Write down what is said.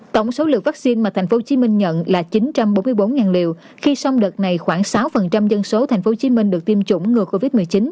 tổng số lượng vaccine mà tp hcm nhận là chín trăm bốn mươi bốn liều khi song đợt này khoảng sáu dân số tp hcm được tiêm chủng ngừa covid một mươi chín